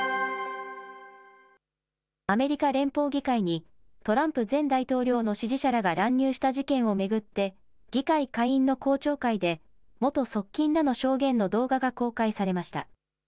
アメリカ連邦議会にトランプ前大統領の支持者らが乱入した事件を巡って、議会下院の公聴会で、元側近らの証言の動画が公開されました。